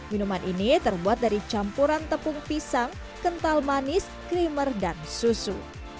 minuman ini terbuat dari campuran tepung pisang kental manis krimer dan susu